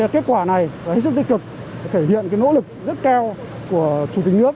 kết quả này hết sức tích cực thể hiện nỗ lực rất cao của chủ tịch nước